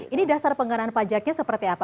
ini dasar pengenaan pajaknya seperti apa